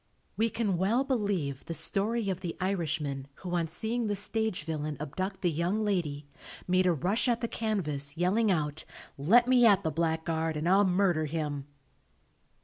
We can well believe the story of the Irishman, who on seeing the stage villain abduct the young lady, made a rush at the canvas yelling out, "Let me at the blackguard and I'll murder him."